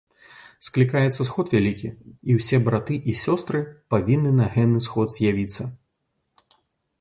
Склікаецца сход вялікі, і ўсе браты і сёстры павінны на гэны сход з'явіцца.